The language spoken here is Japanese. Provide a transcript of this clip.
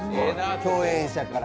共演者から。